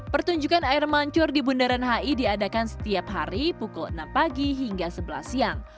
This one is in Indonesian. pertunjukan air mancur di bundaran hi diadakan setiap hari pukul enam pagi hingga sebelas siang